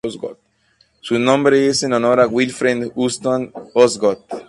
Su nombre es en honor a Wilfred Hudson Osgood.